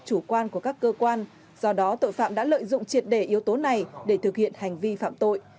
chủ quan của các cơ quan do đó tội phạm đã lợi dụng triệt đề yếu tố này để thực hiện hành vi phạm tội